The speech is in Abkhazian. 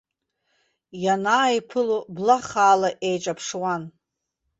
Ианааиԥыло, блахаала еиҿаԥшуан.